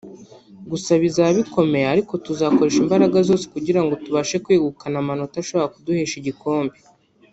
gusa bizaba bikomeye ariko tuzakoresha imbaraga zose kugira ngo tubashe kwegukana amanota ashobora kuduhesha igikombe